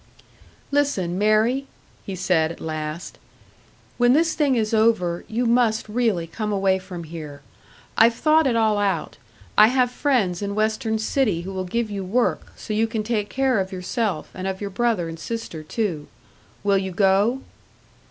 "Listen, Mary," he said, at last; "when this thing is over, you must really come away from here. I've thought it all out I have friends in Western City who will give you work, so you can take care of yourself, and of your brother and sister too. Will you go?"